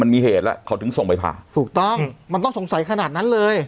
เหตุแล้วเขาถึงส่งไปผ่าถูกต้องมันต้องสงสัยขนาดนั้นเลย